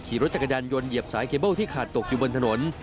ขี่รถจักรยานยนต์เหยียบสายเคเบิ้ลที่ขาดตกอยู่บนถนน